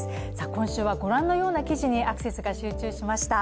今週は御覧のような記事にアクセスが集中しました。